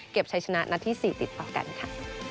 เก็บชัยชนะนัดที่สี่ติดต่อกันค่ะ